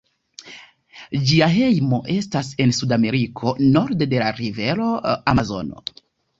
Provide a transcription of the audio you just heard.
Ĝia hejmo estas en Sudameriko, norde de la rivero Amazono.